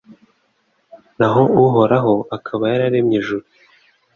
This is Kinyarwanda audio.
naho Uhoraho akaba yararemye ijuru